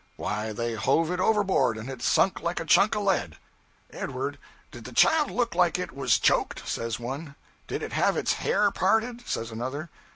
'Why, they hove it overboard, and it sunk like a chunk of lead.' 'Edward, did the child look like it was choked?' says one. 'Did it have its hair parted?' says another.